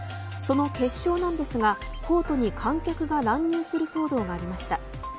その決勝なんですがコートに観客が乱入する騒動がありました。